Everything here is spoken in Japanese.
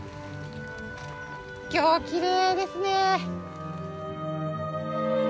今日はきれいですね。